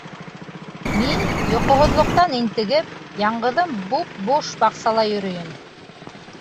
Мин, йоҡоһоҙлоҡтан интегеп, яңғыҙым буп-буш баҡсала йөрөйөм.